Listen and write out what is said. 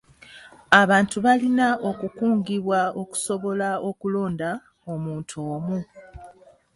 Abantu balina okukungibwa okusobola okulonda omuntu omu.